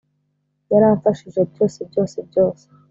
yaramfashije byose byose byose